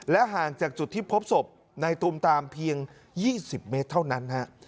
และห่างจากจุดที่พบศพในตุ่มตามเพียงยี่สิบเมตรเท่านั้นฮะ